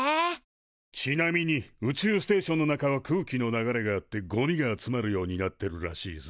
ちなみに宇宙ステーションの中は空気の流れがあってゴミが集まるようになってるらしいぜ。